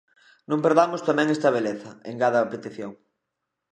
Non perdamos tamén esta beleza, engade a petición.